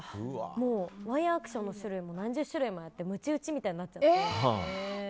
もう、ワイヤアクションの種類も何十種類もあってむち打ちみたいになっちゃって。